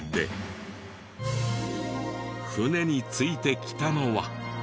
船についてきたのは。